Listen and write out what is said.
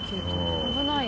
危ない。